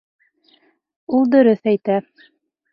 Ул дөрөҫ әйтә.